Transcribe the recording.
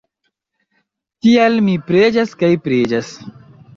Tial mi preĝas kaj preĝas!